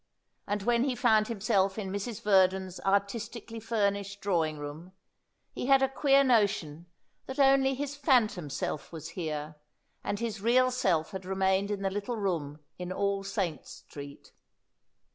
And when he found himself in Mrs. Verdon's artistically furnished drawing room, he had a queer notion that only his phantom self was here and his real self had remained in the little room in All Saints' Street.